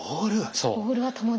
そう。